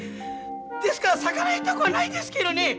ですから逆らいたくはないですけどね